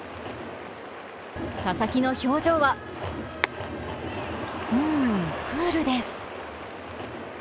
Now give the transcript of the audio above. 佐々木の表情はクールです。